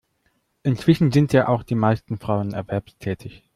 Inzwischen sind ja auch die meisten Frauen erwerbstätig.